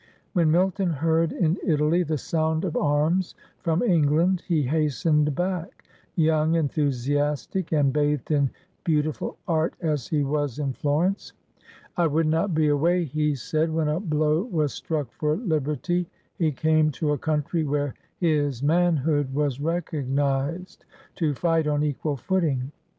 When Milton heard, in Italy, the sound of arms from England, he hastened back — young, enthu siastic, and bathed in beautiful art as he was in Flor ence. * I would not be away,' he said, ' when a blow was struck for liberty.' He came to a country where his manhood was recognised, to fight on equal footing.